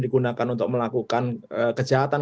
digunakan untuk melakukan kejahatan